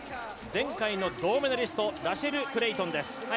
前回の銅メダリスト、ラシェル・クレイトンです。